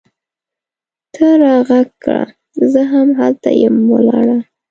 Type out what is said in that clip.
ته را ږغ کړه! زه هم هلته یم ولاړه